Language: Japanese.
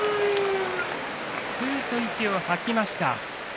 ふうっと息を吐きました